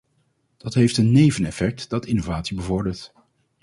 Dat heeft een neveneffect dat innovatie bevordert.